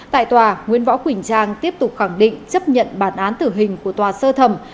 tại tòa nguyễn võ quỳnh trang tiếp tục khẳng định chấp nhận bản án tử hình của tòa sơ thẩm